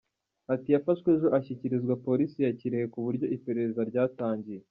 Ati “Yafashwe ejo ashyikirizwa Polisi ya Kirehe ku buryo iperereza ryatangiye.